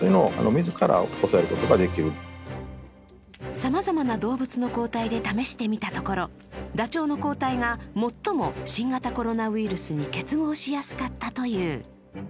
さまざまな動物の抗体で試してみたところ、ダチョウの抗体が最も新型コロナウイルスに結合しやすかったという。